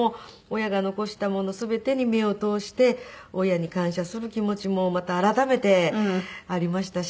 親が残したもの全てに目を通して親に感謝する気持ちもまた改めてありましたし。